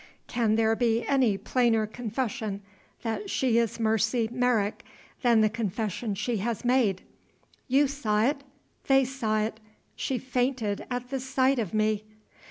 Can there be any plainer confession that she is Mercy Merrick than the confession she has made? You saw it; they saw it. She fainted at the sight of me."